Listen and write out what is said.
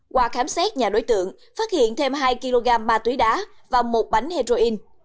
qua khám xét nhà đối tượng phát hiện thêm hai kg ma túy đá và một bánh heroin